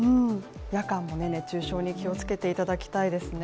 夜間も熱中症に気をつけていただきたいですね